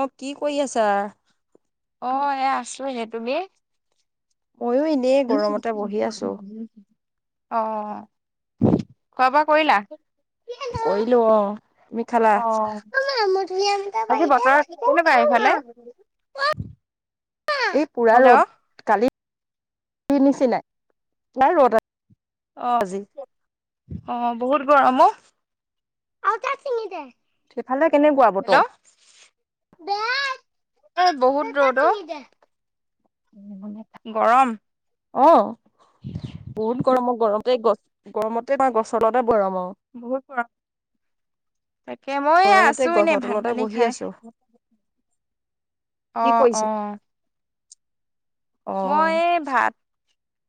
অ কি কৰি আছা? অ এ আছো এ। তুমি? ময়ো এনেই গৰমতে বহি আছোঁ। অ খোৱা বোৱা কৰিলা? কইলো অ। তুমি অ খালা? মা মুধুৰিয়াম আজি বতৰ এটা কেনেকুৱা পাৰি এইফালে দে, অ মা মা, এই পুৰা হেল্ল' ৰ'দ কালি নিচিনাই তাৰ ৰ'দ আ- অহ অহ বহুত গৰম অ। আও এটা চিঙি দে, সেই ফালে কেনেকুৱা হেল্ল' বতৰ? দেয়াই অ বহুত ৰ'দ অ। গৰম অ বহুত গৰম গৰমতে গছ গৰমতে গছৰ লদত বহুত পৰা চাইদ তাকে মই গৰমতে আছো গছৰ এনেই ভাত তলতে পানী বহি খাই। আছো অ কি অ। কৰিছা অ মই এই ভাত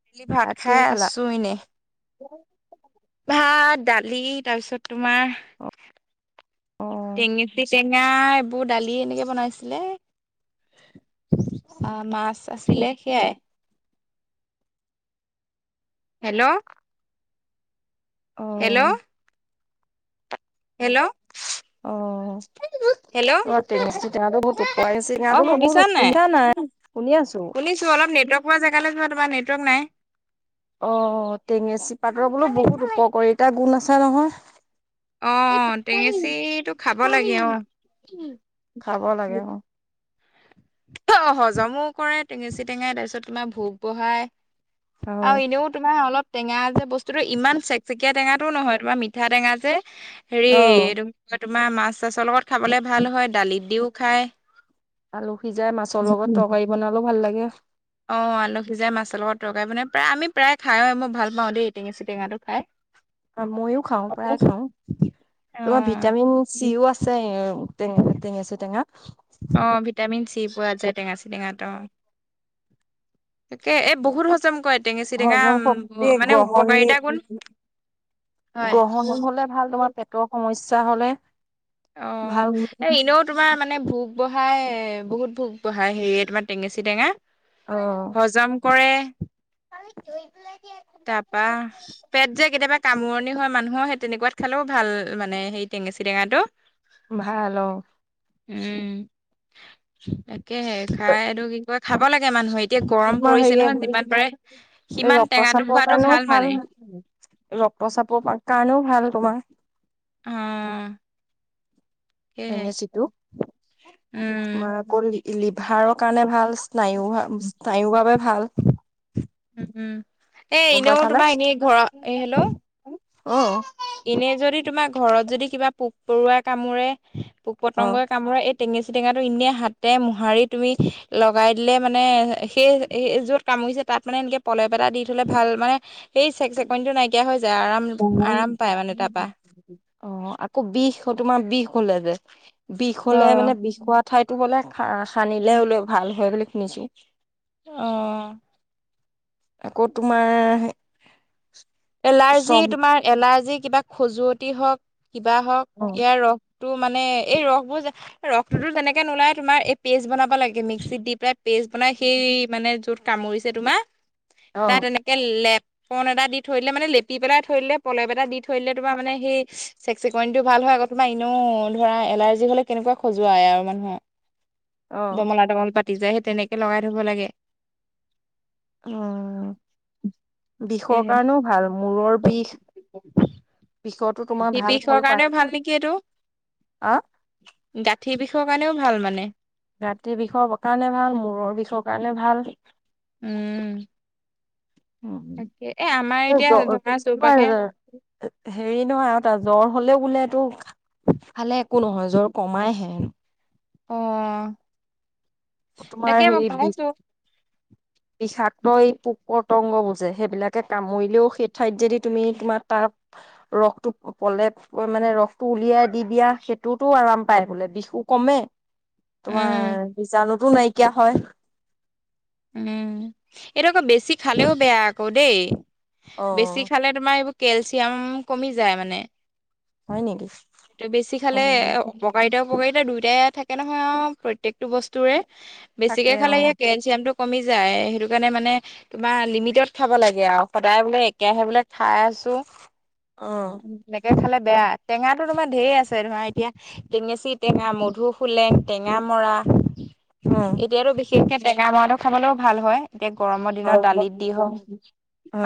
বেলি ভাত খাই কিহে খালা আছো এনে। [unintelligible] ভাত দালি তাৰপিছত তোমাৰ অ টেঙেচি টেঙা এইবোৰ দালি এনেকে বনাইছিলে। আহ মাছ আছিলে সেয়াই। হেল্ল' অ হেল্ল' হেল্ল' অ হেল্ল' [unintelligible] অ টেঙাটো বহুত শুনিছা নাই? শুনা শুনি আছো শুনিছো অলপ নেটৱৰ্ক প জেগালৈ যোৱা। তোমাৰ নেটৱৰ্ক নাই। অ টেঙেচী পাতৰ বোলো বহুত উপকাৰীতা গুণ আছো অ নহয়। এই টোককাৰি টেঙেচিটো খাব পানী লাগে অ ই খাব লাগে। অ হজমো কৰে টেঙেচি টেঙাই তাৰপিছত তোমাৰ ভোক বহাই। হয় আৰু এনেও তোমাৰ অলপ। টেঙা যে বস্তুতটো ইমান চেকচেকীয়া টেঙাতটো নহয় তোমাৰ মিঠা টেঙা যে হেৰি অ এইটো কি কয় তোমাৰ মাছ চাছৰ লগত খাবলে ভাল হয় দালিত দিওঁ খায়। আলু সিজাই মাছৰ লগত তৰকাৰী বনালো ভাল লাগে। অ আলুসিজাই মাছৰ লগত তৰকাৰাই বনাই প্ৰায় আমি প্ৰায় খায় মোৰ ভাল পাওঁ দেই টেঙা চিটেঙাটো খাই। অ মইয়ো খাওঁ অ প্ৰায় খাওঁ। তোমাৰ ভিটামিন চিও আছে। তেঙ টেঙেচি টেঙা। টি পোৱা যায় টেঙা চিটেঙাতো অ, তাকে এই বহুত হজম কৰে। টেঙাচি টেঙা হজম শক্তি মানে গ্ৰহণী উপকাৰিতা গুণ। হয়। গ্ৰহণ হলে ভাল তোমাৰ পেটৰ সমস্যা হ'লে। অ ভাল এ এনেও তোমাৰ মানে ভোক ব ঢ়াই বহুত ভোক বঢ়াই হেৰি তোমাৰ টেঙেচি টেঙা অ হজম কৰে তাৰপা পেট যে কেতিয়াবা [unintelligible] কামোৰণি হয় মানুহৰ সেই তেনেকুৱাত খালেও ভাল মানে সেই টেঙেচি টেঙাটো ভাল অঁ উম তাকেহে খাই এইটো কি কয় খাব লাগে মানুহইত এতিয়া গৰম তোমাৰ পৰিছে হেৰিয়ে নহয় যিমান পাৰে এই সিমান টেঙাটো ৰক্তচাপৰ খোৱাটো কাৰণেও ভাল মানে ৰক্তচাপৰ কাৰণেও ভাল তোমাৰ অহ টেঙেচিটো উম। তোমাৰ আকৌ লি লিভাৰৰ কাৰণে ভালচ তায়ো উম। ভামচ্ তায়ো বাবে ভাল উম এ গম এনেও পাইছানে? তোমাৰ এনেই ঘ এ হেল্ল' অ পৰুৱা কামোৰে পোক অ'। পতংগই কামোৰে এই টেঙিচি টেঙাটো এনেই হাতে মোহাৰি তুমি লগাই দিলে মানে সে সে য'ত কামুৰিছো তাত মানে এনকে পলেপ এটা দি থ'লে ভাল মানে সেই চেক চেকনিটো নাইকিয়া হৈ যায় আৰাম আৰাম পায় মানে তাৰপা। অ আকৌ বিষ তোমাৰ বিষ হলে যে বিষ হলে অ', মানে বিষ হোৱা ঠাইতো বোলে সা সানিলে বোলে ভাল হয় বুলি শুনিছো অহ আকৌ তোমাৰ এলাৰ্জি চম তোমাৰ এলাৰ্জি কিবা খজুৱতি হওঁক কিবা হওঁক অ', এয়া ৰস টো মানে এই ৰস বোৰ ৰসটোতো যেনেকে নোলাই তোমাৰ এই পেষ্ট বনাব লাগে মিক্সিত দি পেলাই পেজ বনাই সেই মানে য'ত কামুৰিছে তোমাৰ তাত অ', এনেকে লেপন এটা দি থৈ দিলে মানে লেপি পেলাই থৈ দিলে পলেপ এটা দি থৈ দিলে তোমাৰ মানে সেই চেকচেকনিটো ভাল হয় আকৌ তোমাৰ ইনেও অ ধৰা এলাৰ্জি হ'লে কেনেকুৱা খজুৱাই আৰু মানুহৰ অ'। ডমলা ডমল পাতি যায় সেই তেনেকে লগাই থব লাগে উম বিষৰ সেয়েহে কাৰ-ণৌ ভাল মূৰৰ বিষ, বিষতো তোমাৰ সেই ভাল বিষৰ ফল পায়। কাৰণেও ভাল নেকি এইটো অ', গাঁঠিৰ বিষৰ কাৰণেও ভাল মানে গাতিৰ বিষৰ কাৰণে ভাল মূৰৰ বিষৰ কাৰণে ভাল উম [inaudible] তাকে এ আমাৰ এতিয়া ধৰা চৌপাশে হেৰি নহয় আৰু তাৰ জ্বৰ হলেও বোলে টো খালে একো নহয় জ্বৰ কমাইহে অ তোমাৰ তাকে মই কমাইছো চাককৈই পোক পতংগবো যে সেইবিলাকে কামুৰিলেও সেই ঠাইত যদি তুমি তোমাৰ তাক ৰসটো পলে মানে ৰসটো উলিয়াই দি দিয়া সেইটোতো আৰাম পাই বোলে বিষো কমে মে তোমাৰ উম বিজাণুতো নাইকিয়া হয় উম এইটো আকৌ বেছি খালেও বেয়া আকৌ দেই অ বেছি খালে তোমাৰ এইবোৰ কেলচিয়াম কমি যায় মানে হয় নেকি এইটো বেছি অ খালে অপকাৰিতা উপকাৰিতা দুয়োটাই থাকে নহয় আৰু প্ৰত্যেকটো বস্তুৰে থাকে বেছিকে খালে অ ইয়া কেলচিয়ামটো। কমি যায় সেইটো কাৰণে মানে তোমাৰ লিমিটত খাব লাগে আও সদায় বোলে একেহে বোলে খাই ছো অ বেলেকে খালে। বেয়া টেঙাটো তোমাৰ ঢেৰ আছে ধৰা এতিয়া টেঙেচি টেঙা, মধু হোলেং, টেঙা মৰা। অ এতিয়াতো বিশেষকে টেঙা মৰাটো খাবলেও ভাল হয়। এতিয়া গৰমৰ দিনত দালিত দি হওক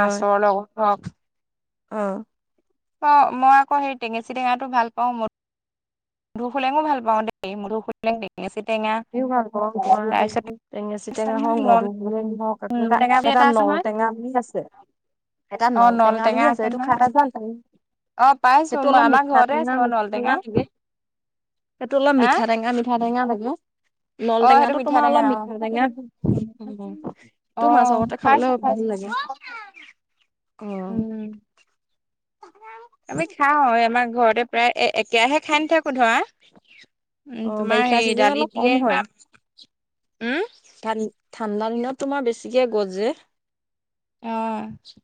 মাছৰ লগত হওক। অহ। অ', মই আকৌ সেই টেঙেচি টেঙাটো ভাল পাও মোৰ মধু ফুলেঙো ভাল পাওঁ, [unintelligible] মধু ফুলেং টেঙেচি। টেঙা ভাল পাও কৰ তাৰপিছত টেঙেচি টেঙা হওক নল মধু [unintelligible] হওক আকৌ উম এটা টেঙা বুলি এটা ন আছে নৌ নহয় টেঙা বুলি আছে, এটা নল টেঙা বুলি আছে সেইটো খাই [unintelligible] অ পাইছো সেইটো মই অলপ আমাৰ মিঠা ঘৰতে আছে টেঙা বাৰু মিঠ নল টেঙা লাগে। সেইটো অলপ হা মিঠা টেঙা মিঠা টেঙা লাগে। নল অ সেইটো টেঙাটো মিঠা তোমাৰ টেঙা অলপ অ মিঠা টেঙা, উম, অ সেইটো মাছৰ লগত আগতে খাইছো খাবলে ভাল খাইছো লাগে। [unintelligible] অ উম, আমি খাওঁ আমাৰ ঘৰতে প্ৰায় একে একেৰাহে খাই নথাকো ধৰা। উম অ', তোমাৰ বাৰিষা সেই চিজনত দালি অলপ দিয়ে কম বা হয়, উম ঠাণ্ড ঠাণ্ডা দিনত তোমাৰ বেছিকে গছ যে। অ',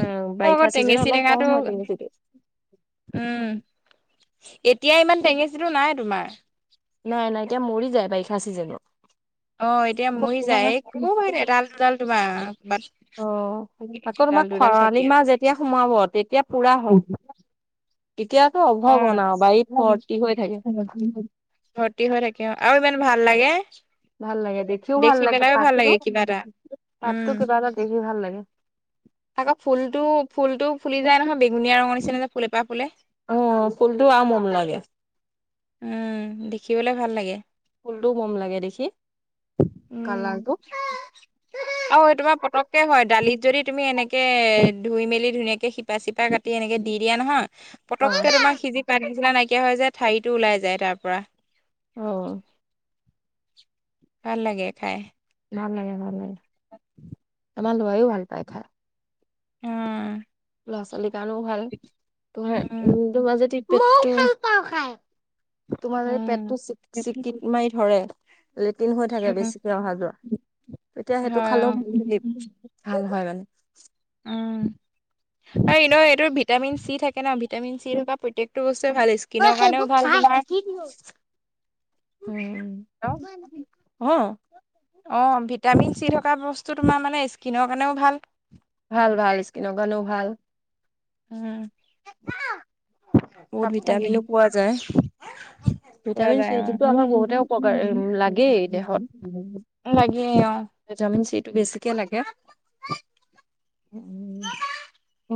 মোৰ আকৌ বাৰিষা চিজনত টেঙেচি অলপ কম টেঙাটো হয় টেঙেচিটো উম, এতিয়া ইমান টেঙেচিতো নাই তোমাৰ। নাই নাই এতিয়া মৰি যায় বাৰিষা চিজনত। অ', এতিয়া আকৌ মৰি তোমাৰ যায়, [unintelligible] এডাল দুডাল তোমাৰ। ক'ৰবাত অ', আকৌ এডাল তোমাৰ দুডাল খৰালি থাকে। মাহ যেতিয়া সোমাব তেতিয়া পুৰা হ [unintelligible] ভৰ্তি হৈ থাকে ভৰ্তি হৈ থাকি অ, আৰু ইমান ভাল লাগে। ভাল লাগে দেখিও ভাল দেখি লাগে পেলাইও ভাল পাতটো লাগে কিবা এটা, পাতটো উম, কিবা এটা দেখি ভাল লাগে আকৌ ফুলটো ফুলটো ফুলি যায় নহয় বেঙুনীয়া ৰঙৰ নিচিনা যে ফুল এপাহ ফুলে। অ ফুলটো আৰু মৰম লাগে। উম, দেখিবলে ভাল লাগে। ফুলটো মৰম লাগে দেখি, উম। কালাৰটো। আৰু এই তোমাৰ পতককে হয় দালিত যদি তুমি এনেকে, ধুই মেলি ধুনীয়াকে শিপা চিপা কাটি তেনেকে দি দিয়া নহয়, অ ভাল পটককে তোমাৰ সিজি পাত [unintelligible] নাইকিয়া হৈ যায় ঠাৰিটো ওলাই যায় তাৰ পৰা। অহ। ভাল লাগে খাই। ভাল লাগে ভাল লাগে, আমাৰ ল'ৰাইও ভাল পায় খাই। উম, ল'ৰা ছোৱালীৰ কাৰণেও ভাল, তোমাৰ উম, [unintelligible] তোমাৰ যদি উম পেটটো চিক-চিকিত মাৰি ধৰে লেট্ৰিন হৈ থাকে উম বেছিকে অহা যোৱা। তেতিয়া সেইটো হয় অ খালেওে, [unintelligible] ভাল হয় মানে। উম, আৰু এনেও এইটো ভিটামিন চি থাকে ন' ভিটামিন চি থকা প্ৰত্যেকটো বস তে ভাল, স্কিনৰ কাৰণেও ভাল, তোমাৰ উম, হ? অ', ভিটামিন চি থকা বস্তু তোমাৰ মানে স্কিনৰ কাৰণেও ভাল। ভাল ভাল স্কিনৰ কাৰণেও ভাল। উম, বহুত খাব লাগে ভিটামিনো পোৱা যায়। পোৱা ভিটামিন যায় চি কিন্তু আমাৰ বহুতে উপকাৰ, লাগেই দেহত। অ লাগে অ ভিটামিন চিটো বেছিকে লাগে, উম,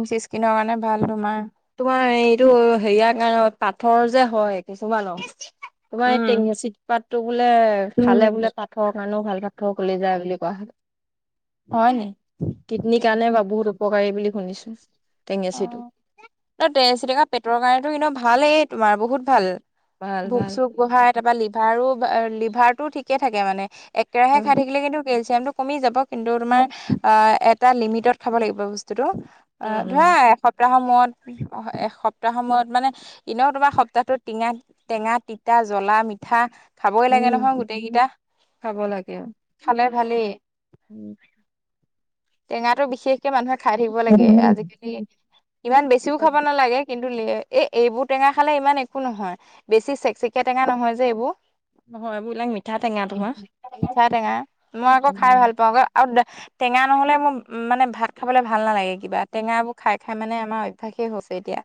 বেছি স্কিনৰ কাৰণে ভাল তোমাৰ। তোমাৰ এইটো হেৰিয়া কাৰণে পাঠৰ যে হয়, কিছুমানৰ। তোমাৰ এই উম টেঙেচি পাতটো বোলে, খালে বোলে পাঠৰৰ কাৰণেও ভাল। পাঠৰ গলি যায় বুলি কোৱা শুনো, হয় নি কিডনীৰ কাৰণেও বা বহুত ঔ উপকাৰী বুলি শুনিছো, টেঙেচিটো। ত টেঙেচী টেঙা পেটৰ কাৰণেতো এনেও ভালেই তোমাৰ বহুত ভাল। ভাল ভোক ভাল। চোক বঢ়াই তা পা লিভাৰো লিভাৰটো ঠিকে থাকে মানে। একেৰাহে খাই উম থাকিলে কিন্তু কেলচিয়ামটো কমি যাব কিন্তু তোমাৰ এটা লিমিটত খাব লাগিব বস্তুটো। অ উম উম ধৰা এস- মূৰত একসপ্তাহত মূৰত মানে এনেও তোমাৰ সপ্তাহটোত টিঙা টেঙা তিতা জ- জ্বলা মিঠা খাবই লাগে নহয় উম গোটেইকেইটা খাব লাগে খালে ভালেই। উম। টেঙাটো বিশেষকে মানুহে খাই থাকিব লাগে আজিকালি ইমান বেছিও খাব নালাগে কি- কিন্তু এ এইবোৰ টেঙা খালে ইমান একো নহয়, বেছি চেকচেকীয়া টেঙা নহয় যে এইবোৰ। নহয় এইববিলাক মিঠা টেঙা তোমাৰ। মিঠা টেঙা মই আকৌ খাই ভাল পাওঁ আক। আৰু টেঙা নহ'লে মোৰ মানে ভাত খাবলৈ ভাল নালাগে কিবা টেঙাবোৰ খাই খাই মানে আমাৰ অভ্যাসেই হৈছে এতিয়া।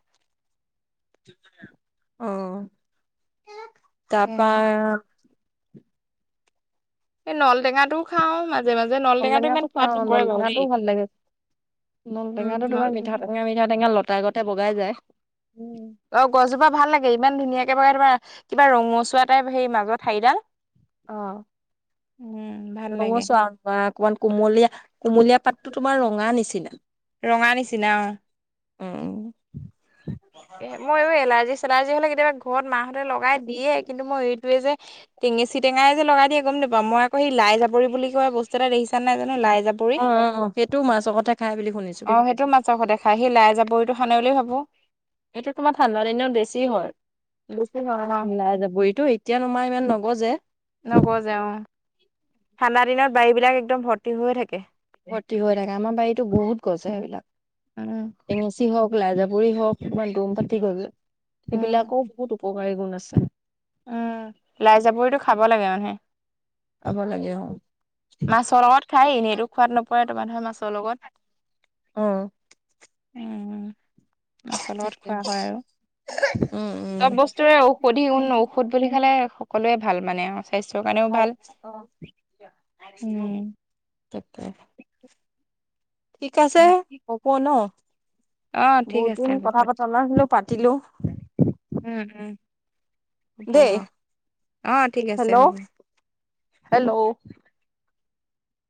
তাপা এই নল টেঙাটোও খাও মাজে মাজে নল টেঙাটো ইমান খোৱাত খাওঁ নল নপৰে বাৰু দেই। টেঙাটোও ভাল লাগে। নল উম টেঙাটো নল তোমাৰ মিঠা টেঙা মিঠা টেঙা লতাগতে বগাই যায়। উ অ গছজোপা ভাল লাগে ইমান ধুনীয়াকে বগাই তোমাৰ কিবা ৰঙচুৱা টাইপ সেই মাজৰ ঠাৰিডাল। অ উম ভাল লাগে ৰঙচোৱা অকণমান কুমলীয়া কুমলীয়া পাতটো তোমাৰ ৰঙা নিচিনা। ৰঙা নিচিনা অ। অও এ মই এলাৰ্জি চেলাৰ্জি হলে কেতিয়াবা ঘৰত মাহঁতে লগাই দিয়ে। কিন্তু মই এইটোয়ে যে টেঙেচি টেঙাই যে লগাই দিয়ে গম নাপাও, মই আক সেই লাই জাবৰি বুলি কয় বস্তু এটা দেইছ- [unintelligible] অ', অ, সেইটোও মাছৰ সৈতে খাই বুলি শুনিছো। অ', সেইটো মাছৰ সতে খাই সেই লাই জাবৰিটো সানে বুলি ভাবো। এইটো তোমাৰ ঠাণ্ডা দিনত বেছি বেছি ন হয়। লাই জাবৰিটো এতিয়া নোমাই ইমান নগজে। নগজে অ ঠাণ্ডা দিনত বাৰী বিলাক একদম ভৰ্তি হৈ হৈ থাকে। ভৰ্তি হৈ থাকে আমাৰ বাৰীতো বহুত গজে সেইবিলাক উম টেঙেচি হওঁক। লাই জাবৰি হওক, ইমান দম পাটি গৈ গৈ উম সেইবিলাকৰ বহুত উপকাৰী গুণ আছে। উম, লাই জাবৰিটো খাব লাগে মানুহে। খাব লাগে অ। মাছৰ লগত খাই এনেইতো খোৱাত নপৰে তোমাৰ ধৰ মাছৰ লগত অ। উম, মাছৰ লগত তাকে খোৱা হয় আৰু। উম, উম। চব বস্তুৰে ঔষধি গুণ ঔষধ বুলি খালে সকলোৱে ভাল মানে স্বাস্থ্যৰ কাৰণেও ভাল। [unintelligible] উম তাকে ঠিক আছে হ'ব ন অ ঠিক বহুত দিন আছে হ'ব কথা পতা না নাছিলোঁ। পাতিলো উম উম দেই উপভা অ ঠিক আছে হেল্ল', হ'ব। হেল্ল'